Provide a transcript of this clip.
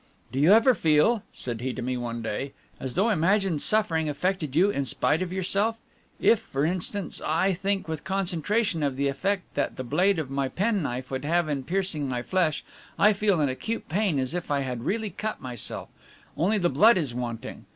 "Do you ever feel," said he to me one day, "as though imagined suffering affected you in spite of yourself? If, for instance, I think with concentration of the effect that the blade of my penknife would have in piercing my flesh, I feel an acute pain as if I had really cut myself; only the blood is wanting.